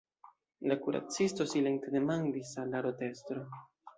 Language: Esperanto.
La kuracisto silente demandis al la rotestro.